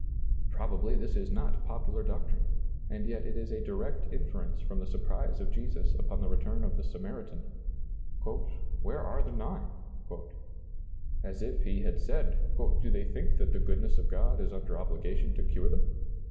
Probably this is not popular doctrine ; and yet it is a direct inference from the surprise of Jesus upon the return of the Samaritan —" Where are the nine?" As if He had said; " Do they think that the goodness of God is under obligation to cure them